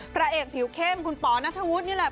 พระเอกผิวเข้มคุณปอนัทธวุฒินี่แหละ